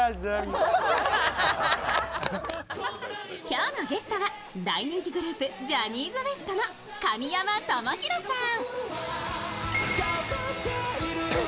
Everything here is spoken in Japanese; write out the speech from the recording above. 今日のゲストは大人気グループ、ジャニーズＷＥＳＴの神山智洋さん。